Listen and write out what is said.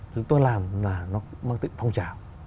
chúng ta làm là nó mang tích phong trào